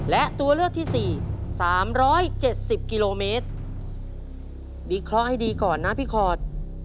และตัวเลือกที่๔๓๗๐กิโลเมตรบิ๊กเคราะห์ให้ดีก่อนนะพี่คอร์ด